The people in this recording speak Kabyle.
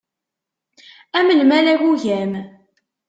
Am lmal agugam.